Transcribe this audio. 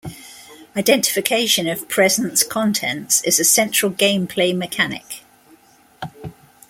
Identification of presents' contents is a central gameplay mechanic.